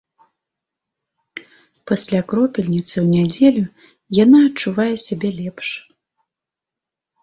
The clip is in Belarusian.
Пасля кропельніцы у нядзелю яна адчувае сябе лепш.